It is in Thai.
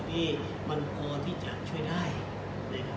ขายมันแกล้วกล้ามเนื้อเนื้อกลางนั้นครับ